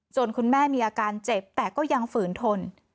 คุณแม่มีอาการเจ็บแต่ก็ยังฝืนทน